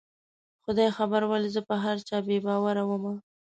خدای خبر ولې زه په هر چا بې باوره ومه